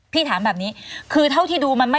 พี่ถามแบบนี้